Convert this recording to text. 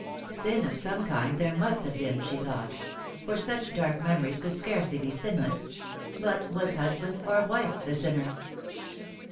Pin of some kind there must have been, she thought ; for such dark memories could scarcely be sinless. But was husband or wife the sinner?"